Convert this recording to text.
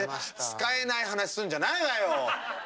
使えない話するんじゃないわよ。